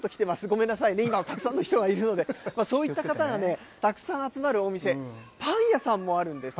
ごめんなさいね、今、たくさんの人がいるので、そういった方がね、たくさん集まるお店、パン屋さんもあるんです。